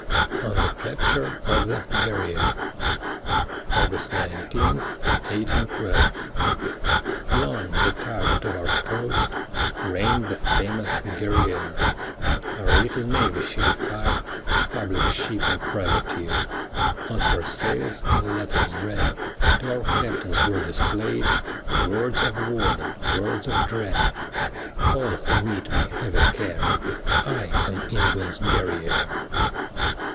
ON THE CAPTURE OF THE GUERRIÈRE [August 19, 1812] Long the tyrant of our coast Reigned the famous Guerrière; Our little navy she defied, Public ship and privateer: On her sails in letters red, To our captains were displayed Words of warning, words of dread, "All who meet me, have a care! I am England's Guerrière."